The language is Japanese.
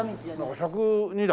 １０２段？